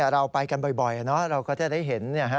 เราไปกันบ่อยเราก็จะได้เห็น